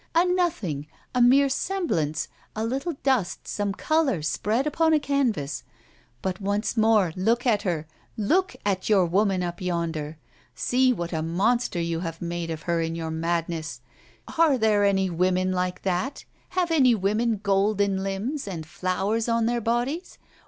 A nothing, a mere semblance, a little dust, some colour spread upon a canvas! But, once more, look at her, look at your woman up yonder! See what a monster you have made of her in your madness! Are there any women like that? Have any women golden limbs, and flowers on their bodies?